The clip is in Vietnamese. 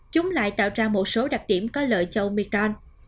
chúng lại tạo ra một số đặc điểm có lợi cho omicron